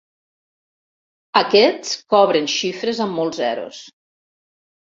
Aquests cobren xifres amb molts zeros.